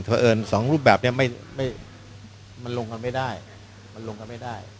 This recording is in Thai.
ถ้าเอิญสองรูปแบบเนี่ยมันลงกันไม่ได้